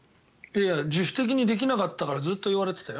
自主的にできなかったからずっと言われていたよ。